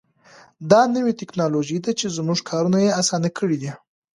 دا نوې تکنالوژي ده چې زموږ کارونه یې اسانه کړي دي.